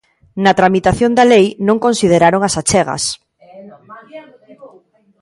Na tramitación da lei non consideraron as achegas.